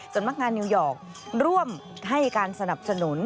สำนักงานนิวยอร์กร่วมให้การสนับสนุน